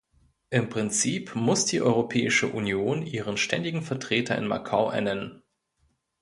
Im Prinzip muss die Europäische Union ihren Ständigen Vertreter in Macau ernennen.